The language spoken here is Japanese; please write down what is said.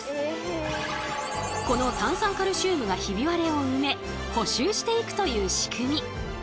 この炭酸カルシウムがヒビ割れを埋め補修していくという仕組み。